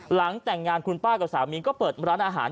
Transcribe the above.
หลังแต่งงานคุณป้ากับสามีก็เปิดร้านอาหาร